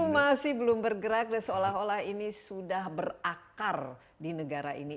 masih belum bergerak dan seolah olah ini sudah berakar di negara ini